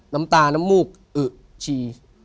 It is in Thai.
น้ำตาน้ำมูกอึชี